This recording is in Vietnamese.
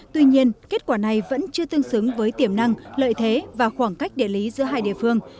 tuy nhiên kết quả này vẫn chưa tương xứng với tiềm năng lợi thế và khoảng cách địa lý giữa hai địa phương